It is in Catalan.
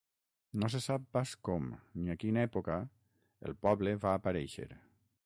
No se sap pas com, ni a quina època, el poble va aparèixer.